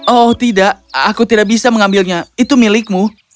oh tidak aku tidak bisa mengambilnya itu milikmu